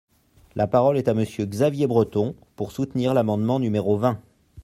La parole est à Monsieur Xavier Breton, pour soutenir l’amendement numéro vingt.